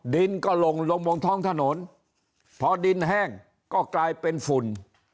ดินก็ลงลงบนท้องถนนพอดินแห้งก็กลายเป็นฝุ่น